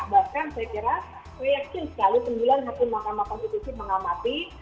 bahkan saya kira saya yakin sekali sembilan hakim mahkamah konstitusi mengamati